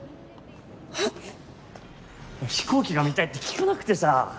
飛行機が見たいって聞かなくてさ。